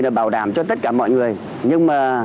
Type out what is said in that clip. để bảo đảm cho tất cả mọi người nhưng mà